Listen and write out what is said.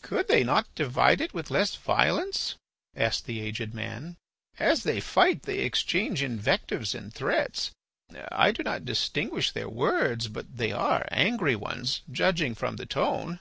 "Could they not divide it with less violence?" asked the aged man. "As they fight they exchange invectives and threats. I do not distinguish their words, but they are angry ones, judging from the tone."